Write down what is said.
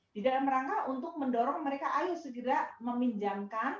di dalam rangka untuk mendorong mereka ayo segera meminjamkan